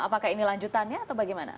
apakah ini lanjutannya atau bagaimana